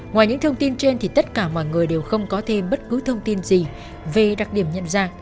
ngoài những thông tin trên thì tất cả mọi người đều không có thêm bất cứ thông tin gì về đặc điểm nhận ra